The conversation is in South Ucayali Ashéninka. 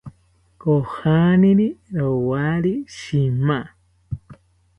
Kojaniri rowari shima